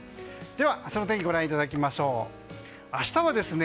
では、明日の天気ご覧いただきましょう。